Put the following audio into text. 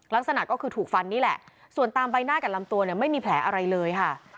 ลักษณะก็คือถูกฟันนี่แหละส่วนตามใบหน้ากับลำตัวเนี่ยไม่มีแผลอะไรเลยค่ะ